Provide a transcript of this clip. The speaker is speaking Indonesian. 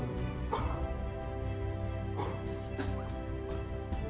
saya tidak rela